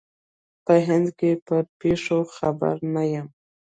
په هند کې پر پېښو خبر نه یم.